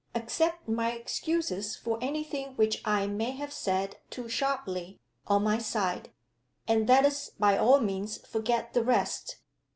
"Accept my excuses for any thing which I may have said too sharply, on my side; and let us by all means forget the rest."